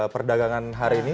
perdagangan hari ini